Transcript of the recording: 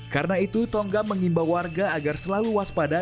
karena itu tonggam mengimba warga agar selalu waspada